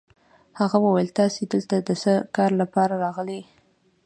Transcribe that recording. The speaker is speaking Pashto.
هغه وویل: تاسي دلته د څه کار لپاره راغلئ؟